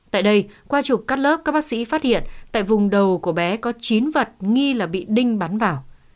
tại đây qua chụp cắt lớp các bác sĩ phát hiện tại vùng đầu của bé có chín vật nghi là bị đinh bắn vào